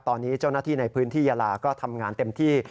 ตอนนี้เจ้าหน้าที่ในพื้นที่ยาลาก็ทำงานเต็มที่